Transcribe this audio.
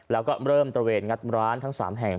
แล้วก็เริ่มเป็นตะเวทงัดร้านทั้งสามแห่ง